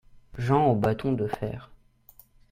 Jean au bâton de fer.